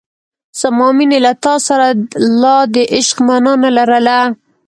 زما مینې له تا سره لا د عشق مانا نه لرله.